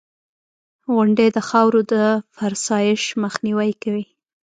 • غونډۍ د خاورو د فرسایش مخنیوی کوي.